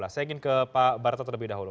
saya ingin ke pak barata terlebih dahulu